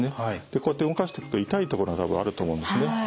こうやって動かしていくと痛い所があると思うんですね。